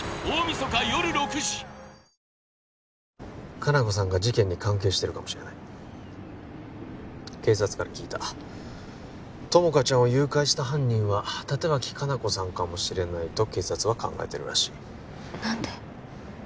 香菜子さんが事件に関係してるかもしれない警察から聞いた友果ちゃんを誘拐した犯人は立脇香菜子さんかもしれないと警察は考えてるらしい何で？